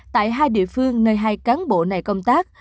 tại hai địa phương nơi hai cán bộ này công tác